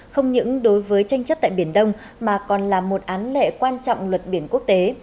không những đối với tranh chấp tại biển đông mà còn là một án lệ quan trọng luật biển quốc tế